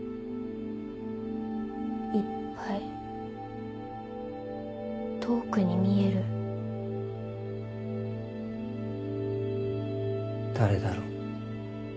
いっぱい遠くに見える誰だろう？